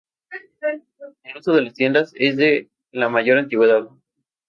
El uso de las tiendas es de la mayor antigüedad.